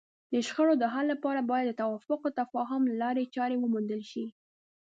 د شخړو د حل لپاره باید د توافق او تفاهم لارې چارې وموندل شي.